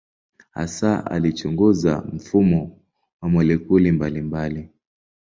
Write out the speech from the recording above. Hasa alichunguza mfumo wa molekuli mbalimbali.